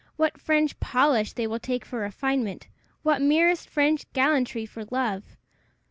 what French polish they will take for refinement! what merest French gallantry for love!